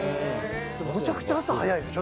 めちゃくちゃ朝早いでしょ。